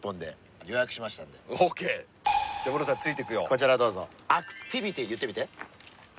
こちらどうぞ。